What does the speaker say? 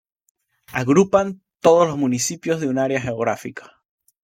Agrupan todos los municipios de una área geográfica.